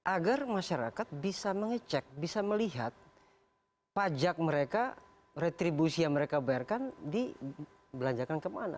agar masyarakat bisa mengecek bisa melihat pajak mereka retribusi yang mereka bayarkan dibelanjakan kemana